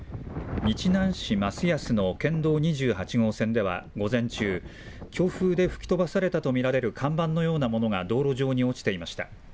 日南市益安の県道２８号線では午前中、強風で吹き飛ばされたと見られる看板のようなものが道路上に落ちていました。